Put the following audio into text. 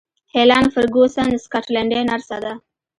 هیلن فرګوسن سکاټلنډۍ نرسه ده.